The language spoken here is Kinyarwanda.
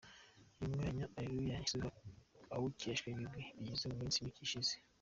Uyu mwanya Areruya yashyizweho awukesha ibigwi yagize mu minsi mike ishize.